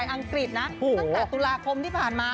ตั้งแต่ธูระคมที่ผ่านมา